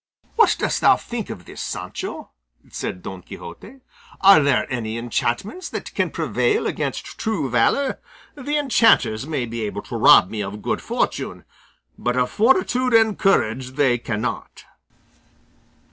"What dost thou think of this, Sancho?" said Don Quixote. "Are there any enchantments that can prevail against true valour? The enchanters may be able to rob me of good fortune, but of fortitude and courage they cannot."